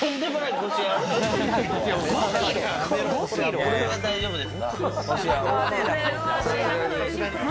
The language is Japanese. こしあこれは大丈夫です。